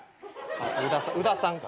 あっ宇田さんか。